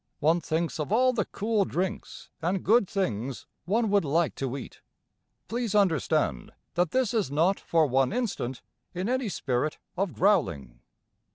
One thinks of all the cool drinks and good things one would like to eat. Please understand that this is not for one instant in any spirit of growling.